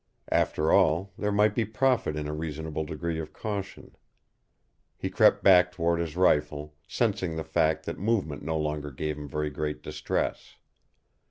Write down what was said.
After all, there might be profit in a reasonable degree of caution. He crept back toward his rifle, sensing the fact that movement no longer gave him very great distress.